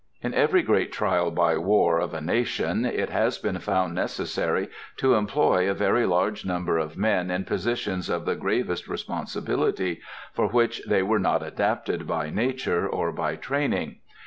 In every great trial, by war, of a nation, it has been found necessary to employ a very large number of men in positions of the gravest responsibility, for which they were not adapted by nature or by training.